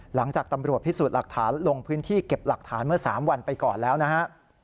หลังจากตำรวจพิสูจน์หลักฐานลงพื้นที่เก็บหลักฐานเมื่อ๓วันไปก่อนแล้วนะฮะ